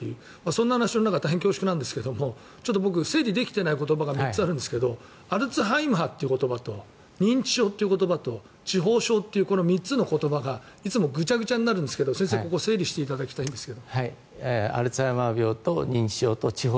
そんな話の中で大変恐縮なんですが僕、整理できていない言葉が３つあるんですけどアルツハイマーという言葉と認知症という言葉と痴ほう症というこの３つの言葉がいつもぐちゃぐちゃになるんですが先生整理していただきたいんですが。